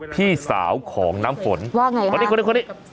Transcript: พี่สาวของน้ำฝนว่าไงค่ะคนนี้คนนี้คนนี้